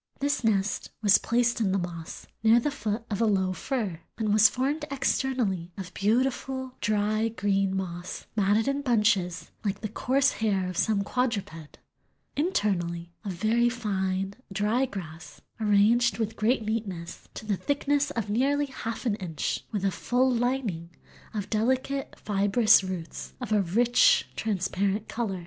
This nest "was placed in the moss, near the foot of a low fir, and was formed externally of beautiful dry green moss, matted in bunches, like the coarse hair of some quadruped; internally of very fine, dry grass, arranged with great neatness, to the thickness of nearly half an inch, with a full lining of delicate fibrous roots of a rich transparent color."